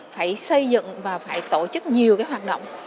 phải xây dựng và phải tổ chức nhiều hoạt động